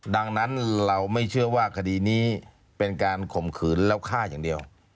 ดังนั้นเราไม่เชื่อว่าคดีนี้เป็นการข่มขืนแล้วฆ่าอย่างเดียว